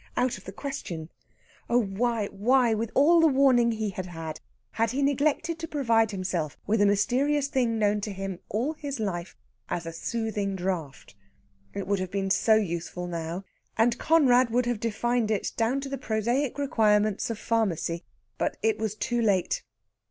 Out of the question! Oh, why, why, with all the warning he had had, had he neglected to provide himself with a mysterious thing known to him all his life as a soothing draught? It would have been so useful now, and Conrad would have defined it down to the prosaic requirements of pharmacy. But it was too late!